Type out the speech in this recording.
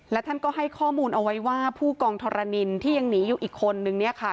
และท่านก็ให้ข้อมูลเอาไว้ว่าผู้กองธรณินที่ยังหนีอยู่อีกคนนึงเนี่ยค่ะ